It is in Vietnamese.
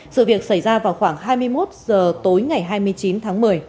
sự việc xảy ra vào khoảng hai mươi một h tối ngày hai mươi chín tháng một mươi